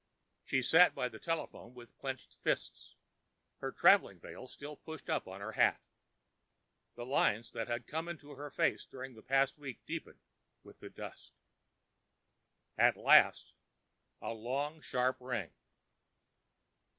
She sat by the telephone with clenched fists, her traveling veil still pushed up on her hat, the lines that had come into her face during the past week deepening with the dusk. At last—a long, sharp ring!